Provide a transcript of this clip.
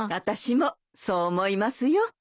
私もそう思いますよ。